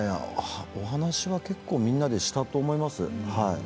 お話は結構みんなでしたと思います。